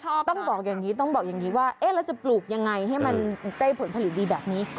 อืมอ่าต้องบอกอย่างนี้ว่าเราจะปลูกยังไงให้มันได้ผลผลิตดีแบบนี้